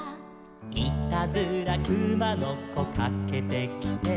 「いたずらくまのこかけてきて」